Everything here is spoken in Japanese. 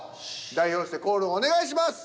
代表してコールをお願いします。